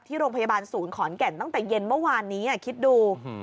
โรงพยาบาลศูนย์ขอนแก่นตั้งแต่เย็นเมื่อวานนี้คิดดู